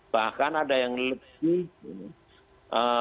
bahkan ada yang lebih